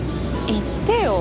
言ってよ！